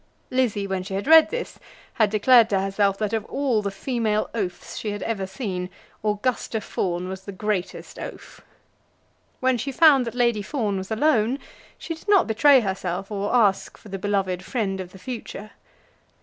Lizzie, when she had read this, had declared to herself that of all the female oafs she had ever seen, Augusta Fawn was the greatest oaf. When she found that Lady Fawn was alone, she did not betray herself, or ask for the beloved friend of the future.